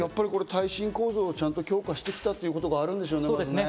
耐震構造を強化してきたことがあるんでしょうね。